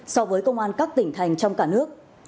so với công an các tỉnh thành trong cả nước